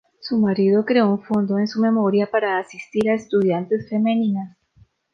Su marido creó un fondo en su memoria para asistir a estudiantes femeninas.